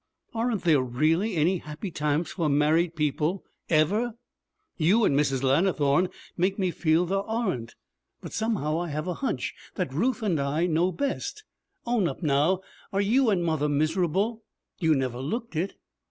Aren't there really any happy times for married people, ever? You and Mrs. Lannithorne make me feel there aren't; but somehow I have a hunch that Ruth and I know best! Own up now! Are you and mother miserable? You never looked it!'